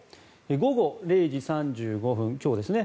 午後０時３５分、今日ですね